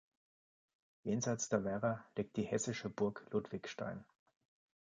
Jenseits der Werra liegt die hessische Burg Ludwigstein.